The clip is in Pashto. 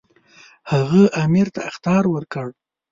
هغه امیر ته اخطار ورکړ.